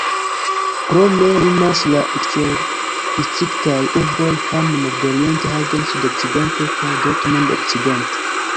Krome limas la eksterdistriktaj urboj Hamm nordoriente, Hagen sudokcidente kaj Dortmund okcidente.